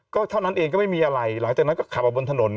ก็เท่านั้นเองก็ไม่มีอะไรหลังจากนั้นก็ขับออกบนถนน